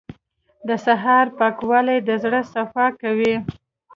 • د سهار پاکوالی د زړه صفا کوي.